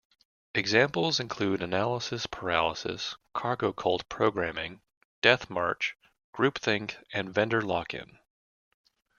Examples include analysis paralysis, cargo cult programming, death march, groupthink and vendor lock-in.